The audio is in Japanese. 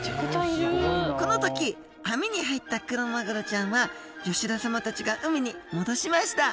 このとき網に入ったクロマグロちゃんは吉田様たちが海に戻しました。